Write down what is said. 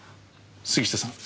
杉下さん